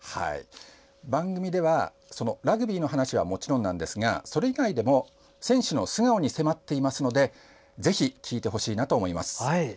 番組ではラグビーの話はもちろんですがそれ以外でも選手の素顔に迫っていますのでぜひ聴いてほしいなと思います。